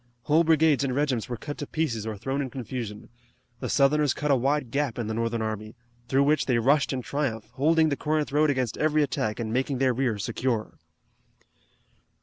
Whole brigades and regiments were cut to pieces or thrown in confusion. The Southerners cut a wide gap in the Northern army, through which they rushed in triumph, holding the Corinth road against every attack and making their rear secure.